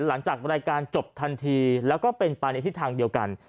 หลังจากรายการจบทันทีแล้วก็เป็นไปในทิศทางเดียวกัน